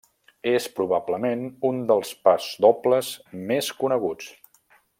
És, probablement, un dels pasdobles més coneguts.